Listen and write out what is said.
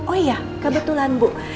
oh iya kebetulan bu